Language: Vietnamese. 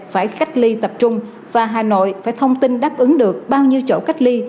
phải cách ly tập trung và hà nội phải thông tin đáp ứng được bao nhiêu chỗ cách ly